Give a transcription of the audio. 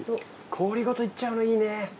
氷ごといっちゃうのいいね。